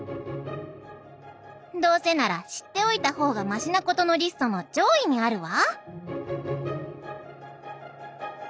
「『どうせなら知っておいた方がましなこと』のリストの上位にあるわ」。